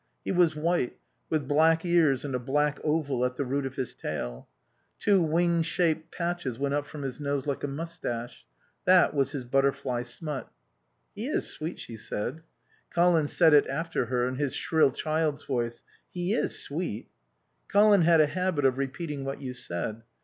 He was white, with black ears and a black oval at the root of his tail. Two wing shaped patches went up from his nose like a moustache. That was his butterfly smut. "He is sweet," she said. Colin said it after her in his shrill child's voice: "He is sweet." Colin had a habit of repeating what you said.